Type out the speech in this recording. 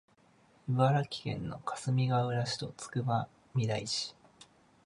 茨城県のかすみがうら市とつくばみらい市